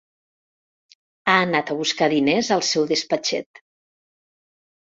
Ha anat a buscar diners al seu despatxet.